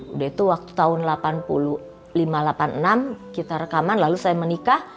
udah itu waktu tahun seribu sembilan ratus delapan puluh enam kita rekaman lalu saya menikah